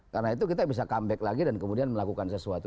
karena itu kita bisa comeback lagi dan kemudian melakukan sesuatu